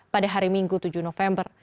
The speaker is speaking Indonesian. pada hari minggu tujuh november